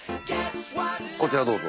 こちらどうぞ。